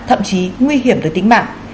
thậm chí nguy hiểm từ tính mạng